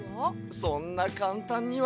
そんなかんたんには。